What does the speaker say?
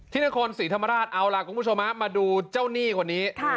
นครศรีธรรมราชเอาล่ะคุณผู้ชมมาดูเจ้าหนี้คนนี้